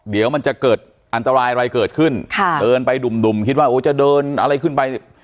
เดี๋ยวมันจะเกิดอันตรายอะไรเกิดขึ้นค่ะเดินไปดุ่มดุ่มคิดว่าโอ้จะเดินอะไรขึ้นไป